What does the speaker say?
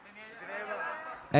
di mana lagi